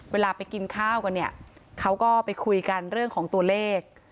เวลาไปกินข้าวกันเนี่ยเขาก็ไปคุยกันเรื่องของตัวเลข